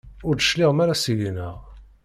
Ur d-tecliɛem ara seg-neɣ.